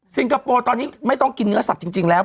คโปร์ตอนนี้ไม่ต้องกินเนื้อสัตว์จริงแล้ว